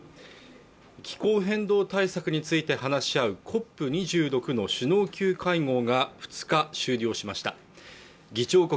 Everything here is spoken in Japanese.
気候変動対策について話し合うＣＯＰ２６の首脳級会合が２日終了しました議長国